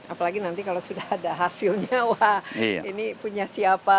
apalagi nanti kalau sudah ada hasilnya wah ini punya siapa